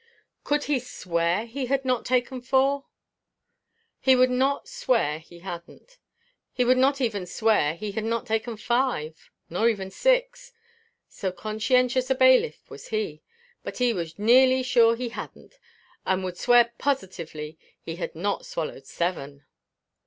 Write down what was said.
Could he swear he had not taken four? He would not swear he hadn't. He would not even swear he had not taken five; nor even six, so conscientious a bailiff was he; but he was nearly sure he hadn't, and would swear positively he had not swallowed seven.